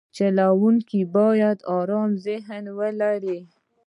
چلوونکی باید ارام ذهن ولري.